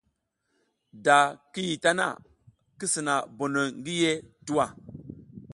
Da ki yih ɗa ta na, ki sina bonoy ngi yih tuwa.